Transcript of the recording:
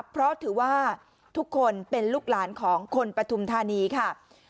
เพราะถือว่าทุกคนเป็นลูกหลานของคนปฐุมธานีค่ะ